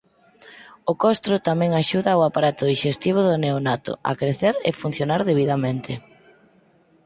O costro tamén axuda ao aparato dixestivo do neonato a crecer e funcionar debidamente.